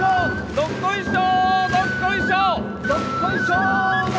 どっこいしょ！